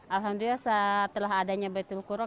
alhamdulillah setelah adanya betul kuro